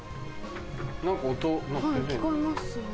何か音鳴ってんね。